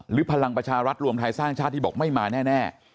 พลังประชารัฐรวมไทยสร้างชาติที่บอกไม่มาแน่